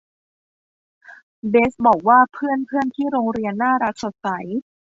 เบสบอกว่าเพื่อนเพื่อนที่โรงเรียนน่ารัก สดใส